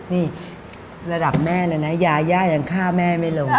นี่ระดับแม่แล้วนะยายังข้าวแม่ไม่ลง